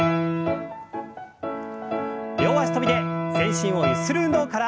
両脚跳びで全身をゆする運動から。